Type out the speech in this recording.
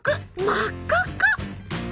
真っ赤っか！